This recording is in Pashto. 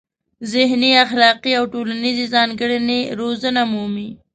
ذهني، اخلاقي او ټولنیزې ځانګړنې روزنه مومي.